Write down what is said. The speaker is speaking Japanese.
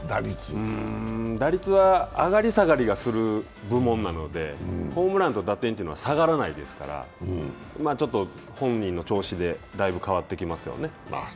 打率は上がり下がりがする部門なのでホームランと打点というのは下がらないですから、本人の調子でだいぶ変わってきますよね。